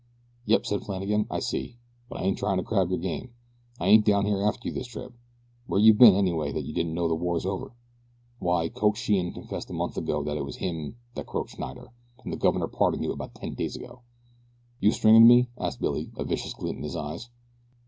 "Yep," said Flannagan, "I see; but I ain't tryin' to crab your game. I ain't down here after you this trip. Where you been, anyway, that you don't know the war's over? Why Coke Sheehan confessed a month ago that it was him that croaked Schneider, and the governor pardoned you about ten days ago." "You stringin' me?" asked Billy, a vicious glint in his eyes.